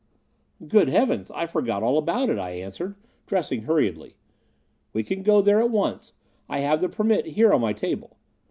"Good heavens! I forgot all about it," I answered, dressing hurriedly. "We can go there at once I have the permit here on my table."